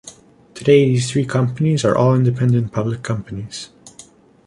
Today these three companies are all independent public companies.